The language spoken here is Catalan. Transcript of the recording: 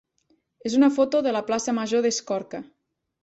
és una foto de la plaça major d'Escorca.